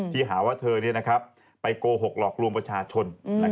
ที่หาว่าเธอไปโกหกหลอกลวงประชาชน